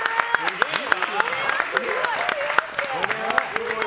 すごい！